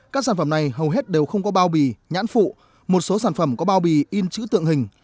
các sản phẩm này hầu hết đều không có bao bì nhãn phụ một số sản phẩm có bao bì in chữ tượng hình